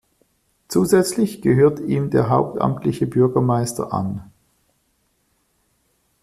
Zusätzlich gehört ihm der hauptamtliche Bürgermeister an.